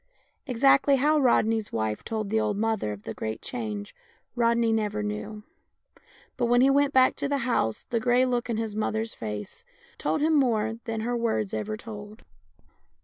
Exactly how Rodney's wife told the old mother of the great change Rodney never knew ; but when he went back to the house the grey look in his mother's face told him more than her words ever told.